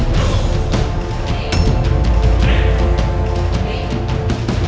jangan berani kurang ajar padaku